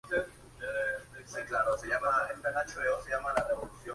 Se requiere una autorización mínima para garantizar que no se dañe otra infraestructura.